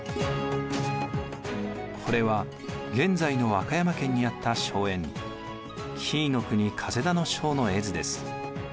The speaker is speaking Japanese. これは現在の和歌山県にあった荘園紀伊国田荘の絵図です。